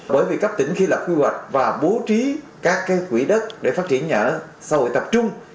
bởi vì cấp tỉnh khi lập quy hoạch và bố trí các quỹ đất để phát triển nhà ở xã hội tập trung